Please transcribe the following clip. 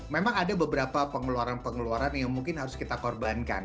memang ada beberapa pengeluaran pengeluaran yang mungkin harus kita korbankan